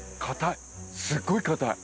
すっごいかたい。